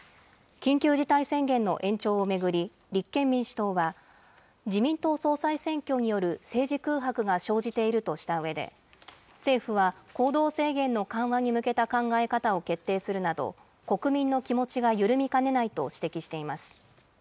緊急事態宣言の延長を巡り、立憲民主党は、自民党総裁選挙による政治空白が生じているとしたうえで、政府は行動制限の緩和に向けた考え方を決定するなど、国民の気持ちが緩みかねないと指摘しています。